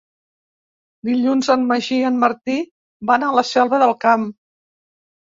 Dilluns en Magí i en Martí van a la Selva del Camp.